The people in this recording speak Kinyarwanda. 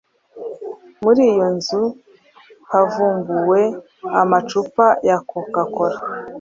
muri iyo nzu havumbuwe amacupa ya Coca cola.